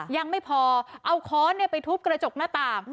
ยังไม่พอเอาค้อนไปทุบกระจกหน้าต่าง